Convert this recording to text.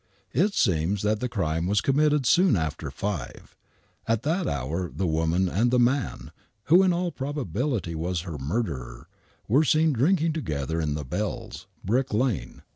It seems that the crime was committed soon after 5. At that hour the woman and the man, who in all probability was her murderer, were seen drinking together in the Bells, Brick Lane.